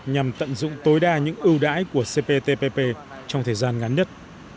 nhằm tận dụng tối đa những ưu đãi của cptpp trong thời gian ngắn nhất